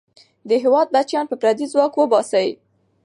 د هېواد بچیان به پردی ځواک وباسي.